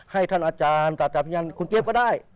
ให้ท่านอาจารย์ต่างจากที่นั่นคุณเจฟก็ได้